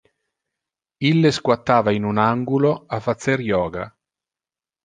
Ille squattava in un angulo a facer yoga.